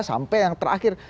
sampai yang terakhir